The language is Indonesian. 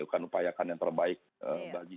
akan upayakan yang terbaik bagi